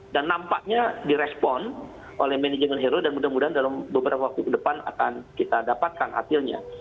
nampaknya direspon oleh manajemen hero dan mudah mudahan dalam beberapa waktu ke depan akan kita dapatkan hasilnya